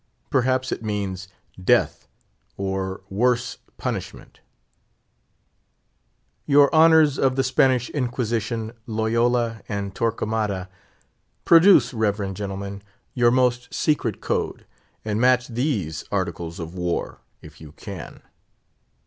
Perhaps it means "death, or worse punishment." Your honours of the Spanish Inquisition, Loyola and Torquemada! produce, reverend gentlemen, your most secret code, and match these Articles of War, if you can.